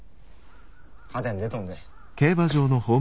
派手に出とんで。